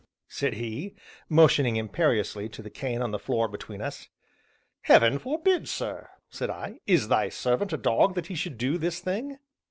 said he, motioning imperiously to the cane on the floor between us. "Heaven forbid, sir," said I; "'is thy servant a dog that he should do this thing?'"